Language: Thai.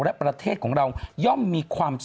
และประเทศของเราย่อมมีความสุข